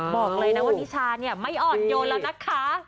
บอกเลยว่านิชาไม่อดโยนแล้วนะคะ